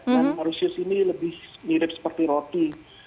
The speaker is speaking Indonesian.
naan mauritius ini lebih mirip seperti roti